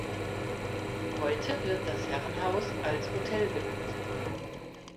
Heute wird das Herrenhaus als Hotel genutzt.